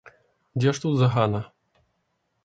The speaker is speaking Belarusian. Дзе ж тут загана?